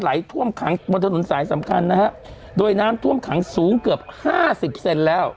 ท่วมขังบนถนนสายสำคัญนะฮะโดยน้ำท่วมขังสูงเกือบห้าสิบเซนแล้ว